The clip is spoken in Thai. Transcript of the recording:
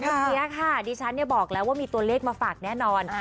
วันนี้ค่ะดิฉันบอกแล้วว่ามีตัวเลขมาฝากแน่นอน